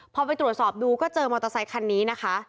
พอไปตรวจสอบดูก็เจอมอเตอร์ไซคันนี้นะคะ